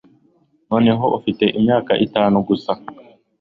Noneho ufite imyaka itanu gusa